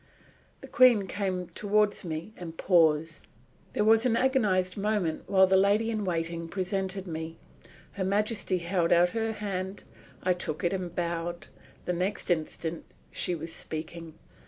The Queen came toward me and paused. There was an agonised moment while the lady in waiting presented me. Her Majesty held out her hand. I took it and bowed. The next instant she was speaking.